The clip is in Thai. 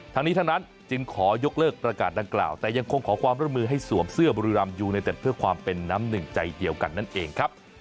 ทั้งนี้ทั้งนั้นจึงขอยกเลิกประกาศดังกล่าวแต่ยังคงขอความร่วมมือให้สวมเสื้อบุรีรำยูไนเต็ดเพื่อความเป็นน้ำหนึ่งใจเดียวกันนั่นเองครับ